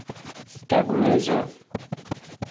tagmezo